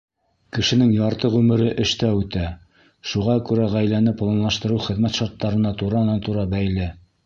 Кешенең ярты ғүмере эштә үтә, шуға күрә ғаиләне планлаштырыу хеҙмәт шарттарына туранан-тура бәйле.